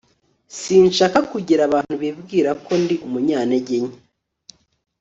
sinshaka kugira abantu bibwira ko ndi umunyantege nke